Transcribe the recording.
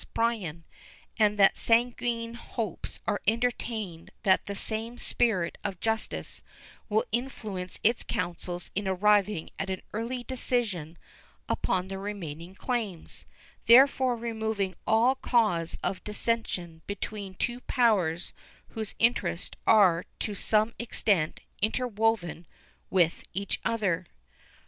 Bryan, and that sanguine hopes are entertained that the same spirit of justice will influence its councils in arriving at an early decision upon the remaining claims, thereby removing all cause of dissension between two powers whose interests are to some extent interwoven with each other.